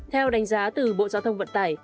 theo đánh giá từ bộ giao thông vận tải